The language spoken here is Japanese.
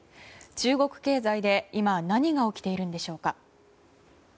中国経済で今何が起きているんでしょうか。